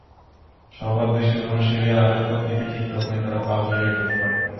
সবার দৃষ্টি যখন সিরিয়ার আলেপ্পোর দিকে, ঠিক তখনই তারা পালমিরায় ঢুকে পড়ে।